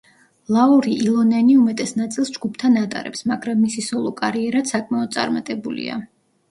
ლაური ილონენი უმეტეს ნაწილს ჯგუფთან ატარებს, მაგრამ მისი სოლო კარიერაც საკმაოდ წარმატებულია.